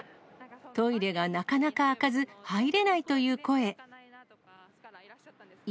トイレがなかなか空かず、入れないという声。